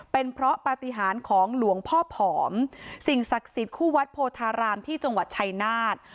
เป็นเพราะปฏิหารของหลวงพ่อผอมสิ่งศักดิ์สิทธิ์คู่วัดโพธารามที่จังหวัดชัยนาธ